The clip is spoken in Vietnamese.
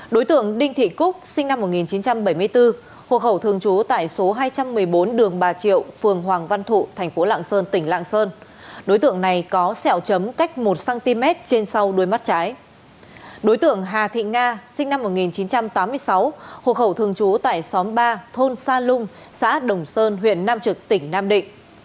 đối tượng hà thị nga sinh năm một nghìn chín trăm tám mươi sáu hộ khẩu thường chú tại xóm ba thôn sa lung xã đồng sơn huyện nam trực tỉnh nam định